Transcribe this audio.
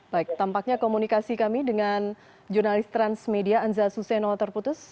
baik tampaknya komunikasi kami dengan jurnalis transmedia anza suseno terputus